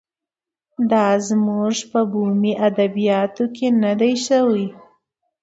دا زموږ په بومي ادبیاتو کې نه دی شوی.